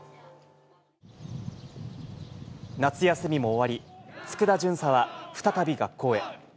夏休みも終わり、佃巡査は再び学校へ。